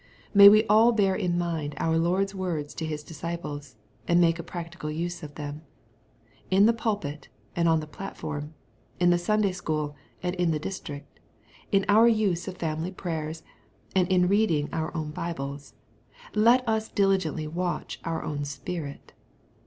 May we all bear in mind our Lord's words to His disci ples, and make a practical use of them. In the pulpit, and on the platform, — ^in the Sunday school, and in the dis trict, — ^in our use of family prayers, and in reading our own Bibles, — let us diligently watch our own spirit.